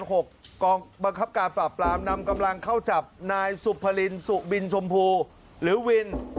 กองบังคับการปราบปรามนำกำลังเข้าจับนายสุภลินสุบินชมพูหรือวิน